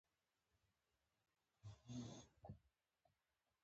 افغانستان کې د هندوکش لپاره دپرمختیا پروګرامونه شته.